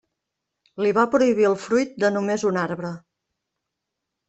Li va prohibir el fruit de només un arbre.